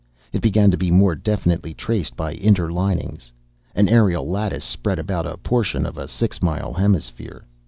It began to be more definitely traced by interlinings. An aerial lattice spread about a portion of a six mile hemisphere.